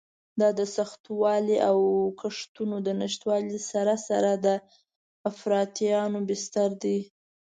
دا د سختوالي او کښتونو د نشتوالي سره سره د افراطیانو بستر دی.